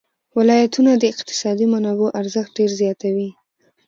ولایتونه د اقتصادي منابعو ارزښت ډېر زیاتوي.